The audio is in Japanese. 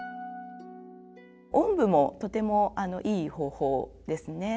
おんぶもとてもいい方法ですね。